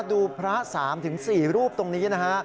ดูพระสามถึงสี่รูปตรงนี้นะฮะ